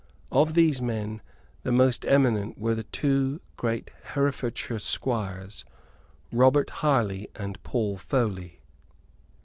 Of these men the most eminent were two great Herefordshire squires, Robert Harley and Paul Foley.